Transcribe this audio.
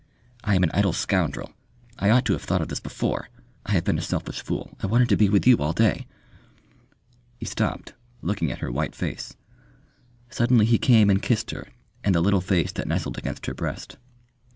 "I am an idle scoundrel. I ought to have thought of this before. I have been a selfish fool. I wanted to be with you all day...." He stopped, looking at her white face. Suddenly he came and kissed her and the little face that nestled against her breast.